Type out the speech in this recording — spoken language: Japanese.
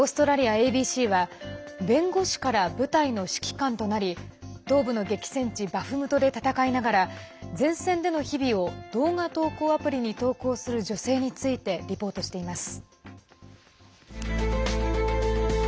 ＡＢＣは弁護士から部隊の指揮官となり東部の激戦地バフムトで戦いながら前線での日々を動画投稿アプリに投稿する女性についてリポートしています。